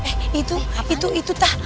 eh itu itu itu ta